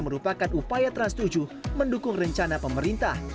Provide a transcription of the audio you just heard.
merupakan upaya trans tujuh mendukung rencana pemerintah